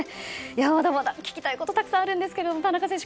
まだまだ聞きたいことたくさんありますが田中選手